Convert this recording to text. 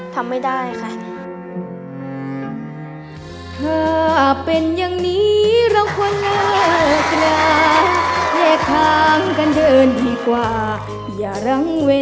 ทำไม่ได้ค่ะ